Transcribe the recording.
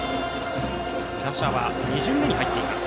打者は２巡目に入っています。